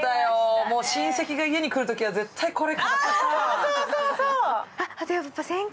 親戚が家に来るときは絶対これ。